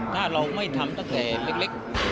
ถ้าเราไม่ทำตั้งแต่เล็ก